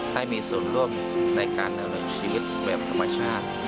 ให้มีส่วนร่วมในการดำเนินชีวิตแบบธรรมชาติ